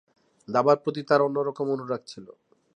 দাবার প্রতি তার অন্যরকম অনুরাগ ছিল।